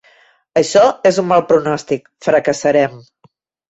Això és un mal pronòstic: fracassarem.